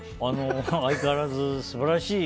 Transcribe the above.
相変わらず、素晴らしい。